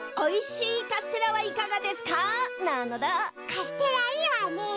カステラいいわね。